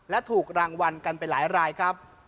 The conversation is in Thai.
และถูกรางวัลกันไปหลายรายครับ